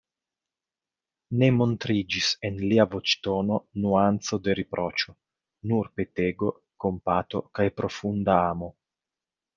Ne montriĝis en lia voĉtono nuanco de riproĉo, nur petego, kompato kaj profunda amo.